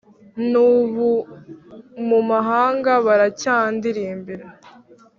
n'ubu mu mahanga baracyandilimba,